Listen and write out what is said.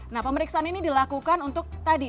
nah pemeriksaan ini dilakukan untuk tadi